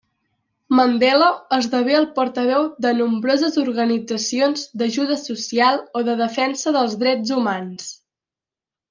Mandela esdevé el portaveu de nombroses organitzacions d'ajuda social o de defensa dels drets humans.